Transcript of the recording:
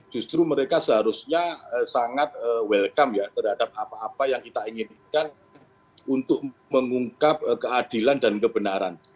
justru mereka seharusnya sangat welcome ya terhadap apa apa yang kita inginkan untuk mengungkap keadilan dan kebenaran